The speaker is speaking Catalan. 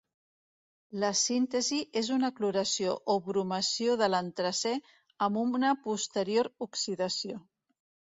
La síntesi és una cloració o bromació de l'antracè amb una posterior oxidació.